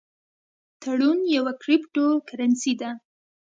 ټرون یوه کریپټو کرنسي ده